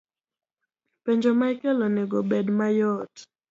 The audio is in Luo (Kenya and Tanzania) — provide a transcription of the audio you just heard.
Penjo ma ikelo onego obed mayot